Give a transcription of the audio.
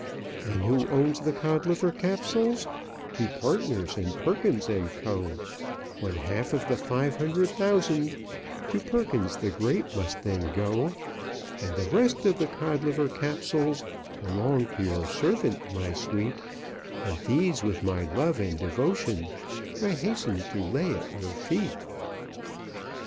"And who owns the Codliver Capsules? Two partners in Perkins & Co. One half of the five hundred thousand To Perkins the Great must then go." "And the rest of the Codliver Capsules Belong to your servant, my sweet, And these, with my love and devotion, I hasten to lay at your feet."